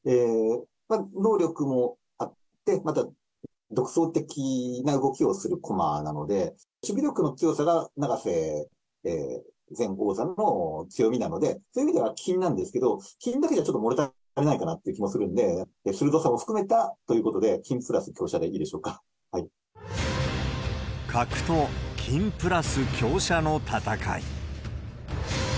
能力もあって、また、独創的な動きをする駒なので、守備力の強さが永瀬前王座の強みなので、そういう意味では金なんですけど、金だとちょっと物足りないかなって気もするんで、鋭さを含めたということで、角と金プラス香車の戦い。